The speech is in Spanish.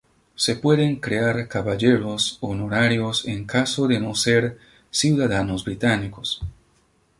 Se pueden crear caballeros honorarios en caso de no ser ciudadanos británicos.